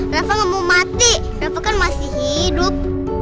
rafa gak mau mati rafa kan masih hidup